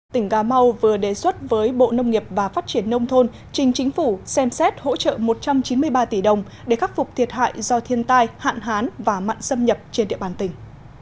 tỉnh cà mau vừa đề xuất với bộ nông nghiệp và phát triển nông thôn trình chính phủ xem xét hỗ trợ một trăm chín mươi ba tỷ đồng để khắc phục thiệt hại do thiên tai hạn hán và mặn xâm nhập trên địa bàn tỉnh